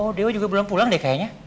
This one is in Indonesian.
oh dewa juga belum pulang deh kayaknya